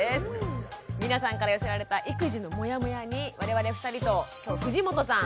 皆さんから寄せられた育児のモヤモヤに我々２人と今日藤本さん。